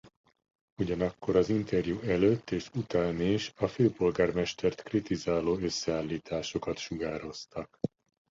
Ugyanekkor az interjú előtt és után is a főpolgármestert kritizáló összeállításokat sugároztak.